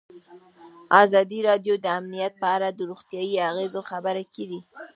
ازادي راډیو د امنیت په اړه د روغتیایي اغېزو خبره کړې.